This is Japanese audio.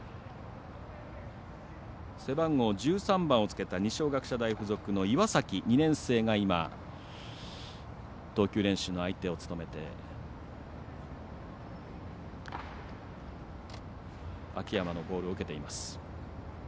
背番号１３番を着けた二松学舎大付属の岩崎、２年生が投球練習の相手を務めて秋山のボールを受けています。